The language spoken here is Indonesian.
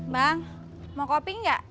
bang mau kopi gak